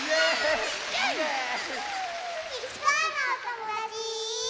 いちかわのおともだち！